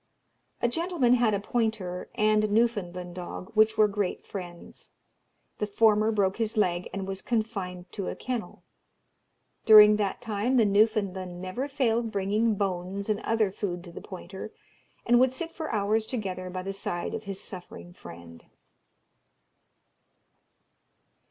A gentleman had a pointer and Newfoundland dog, which were great friends. The former broke his leg, and was confined to a kennel. During that time the Newfoundland never failed bringing bones and other food to the pointer, and would sit for hours together by the side of his suffering friend.